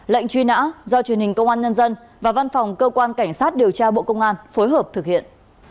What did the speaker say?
lệnh truy nã do truyền hình công an nhân dân và văn phòng cơ quan cảnh sát điều tra bộ công an phối hợp thực hiện